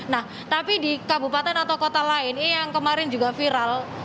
nah tapi di kabupaten atau kota lain ini yang kemarin juga viral